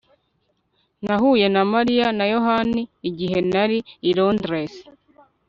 Nahuye na Mariya na Yohani igihe nari i Londres